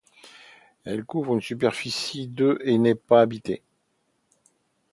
Elle couvre une superficie de et n'est pas habitée.